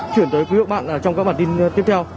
chuyển tới với các bạn trong các bản tin tiếp theo